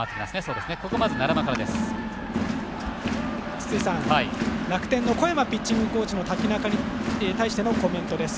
筒井さん、楽天の小山ピッチングコーチ瀧中に対してのコメントです。